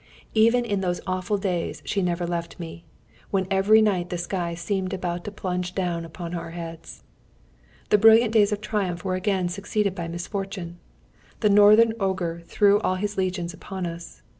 Even in those awful days she never left me, when every night the sky seemed about to plunge down upon our heads. The brilliant days of triumph were again succeeded by misfortune. The Northern ogre threw all his legions upon us.